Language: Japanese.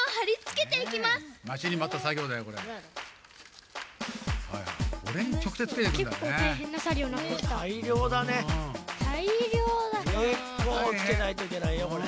けっこうつけないといけないよこれ。